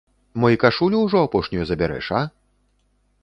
Мо і кашулю ўжо апошнюю забярэш, а?